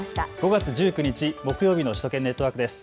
５月１９日木曜日の首都圏ネットワークです。